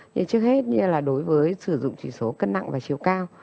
như trước hết như là đối với sử dụng chỉ số cân nặng và chiều cao